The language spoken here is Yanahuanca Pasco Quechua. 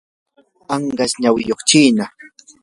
anqas nawiyuq chiina.